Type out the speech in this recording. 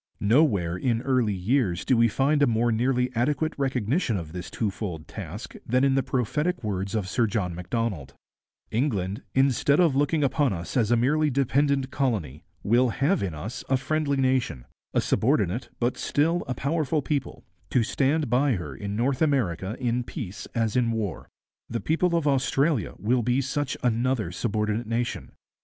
Nowhere in early years do we find a more nearly adequate recognition of this twofold task than in the prophetic words of Sir John Macdonald: 'England, instead of looking upon us as a merely dependent colony, will have in us a friendly nation, a subordinate but still a powerful people, to stand by her in North America in peace as in war. The people of Australia will be such another subordinate nation....